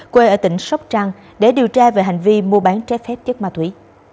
quê ở tỉnh sóc trăng để điều tra về hành vi mua bán trái phép chất ma túy